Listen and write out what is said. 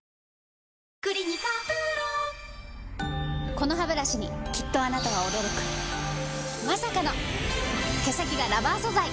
このハブラシにきっとあなたは驚くまさかの毛先がラバー素材！